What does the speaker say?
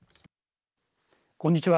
こんにちは。